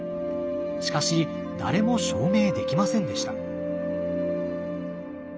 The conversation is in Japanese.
しかし誰も証明できませんでした。